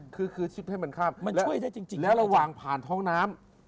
คือชิดให้มันข้ามแล้วระหว่างผ่านท้องน้ำ